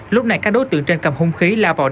lúc này các đối tượng trên cầm hung khí